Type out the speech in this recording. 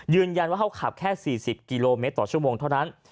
ยืนยันว่าเขาขับแค่๔๐กิโลเมตรต่อชั่วโมงเท่านั้น